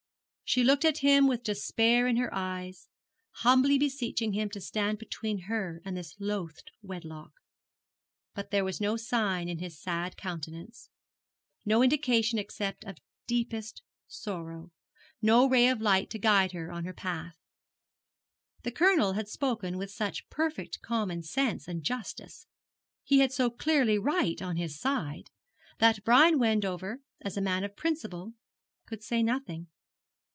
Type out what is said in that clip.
She looked at him with despair in her eyes, humbly beseeching him to stand between her and this loathed wedlock. But there was no sign in his sad countenance, no indication except of deepest sorrow, no ray of light to guide her on her path. The Colonel had spoken with such perfect common sense and justice, he had so clearly right on his side, that Brian Wendover, as a man of principle, could say nothing.